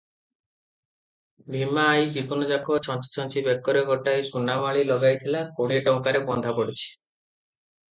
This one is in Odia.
ଭୀମା ଆଈ ଜୀବନଯାକ ଛଞ୍ଚି ଛଞ୍ଚି ବେକରେ ଗୋଟାଏ ସୁନାମାଳୀ ଲଗାଇଥିଲା, କୋଡିଏ ଟଙ୍କାରେ ବନ୍ଧା ପଡିଛି ।